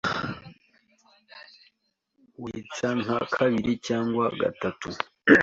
Witsa nka kabiri cyangwa gatatu,